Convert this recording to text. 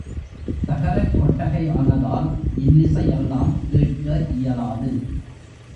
தகரக் கொட்டகை ஆனதால் இன்னிசை எல்லாம் கேட்க இயலாது.